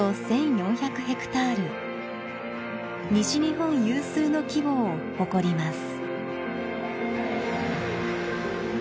西日本有数の規模を誇ります。